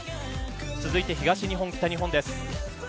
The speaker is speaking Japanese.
続いて東日本、北日本です。